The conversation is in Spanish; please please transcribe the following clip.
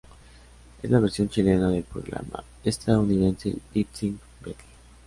Es la versión chilena del programa estadounidense "Lip Sync Battle".